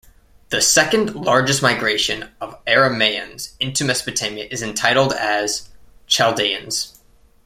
The second largest migration of Arameans into Mesopotamia is entitled as Chaldeans.